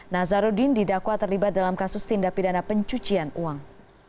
nazarudin didakwa terlibat dalam kasus tindak pidana pencucian uang